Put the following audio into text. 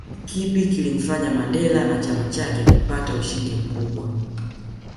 Kipi kilimfanya Mandela na chama chake kupata ushindi mkubwa